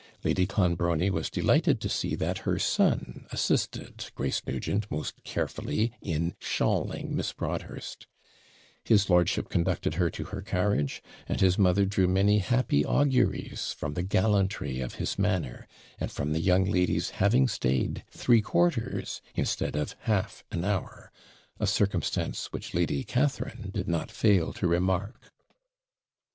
Lady Clonbrony was delighted to see that her son assisted Grace Nugent most carefully in SHAWLING Miss Broadhurst; his lordship conducted her to her carriage, and his mother drew many happy auguries from the gallantry of his manner, and from the young lady's having stayed three quarters, instead of half an hour a circumstance which Lady Catharine did not fail to remark.